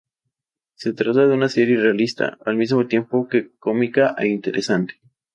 Se trata de una serie realista, al mismo tiempo que cómica e interesante.